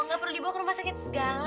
nggak perlu dibawa ke rumah sakit segala